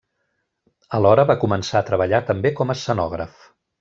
Alhora va començar a treballar també com escenògraf.